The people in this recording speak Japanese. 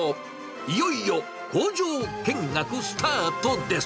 いよいよ工場見学スタートです。